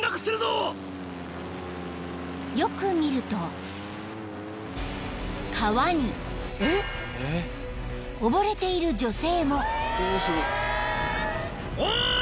［よく見ると川に溺れている女性も］おーい！